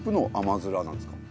まづらなんですか？